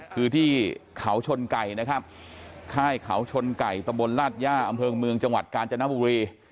คือที่เขาชนไก่นะครับค่ายเขาชนไก่ตำบลลาดย่าอำเภอเมืองจังหวัดกาญจนบุรี